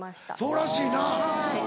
そうらしいな。